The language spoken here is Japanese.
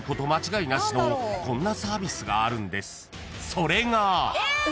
［それが］